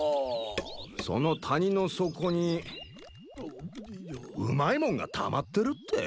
その谷の底にうまいもんがたまってるって？